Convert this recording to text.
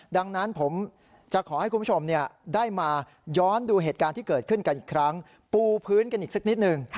ดังนั้นผมจะขอให้คุณผู้ชมได้มาย้อนดูเหตุการณ์ที่เกิดขึ้นกันอีกครั้งปูพื้นกันอีกสักนิดหนึ่ง